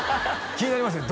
気になりますね